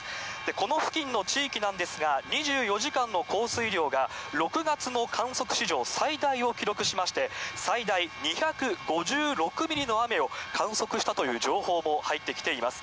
この付近の地域なんですが、２４時間の降水量が６月の観測史上、最大を記録しまして、最大２５６ミリの雨を観測したという情報も入ってきています。